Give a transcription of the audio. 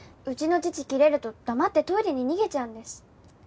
うちの父キレると黙ってトイレに逃げちゃうんです。